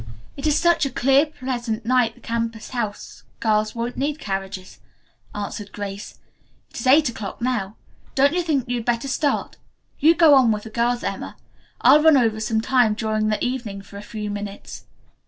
It is such a clear, pleasant night the campus house girls won't need carriages," answered Grace. "It is eight o'clock now. Don't you think you had better start? You go on with the girls, Emma. I'll run over some time during the evening for a few minutes."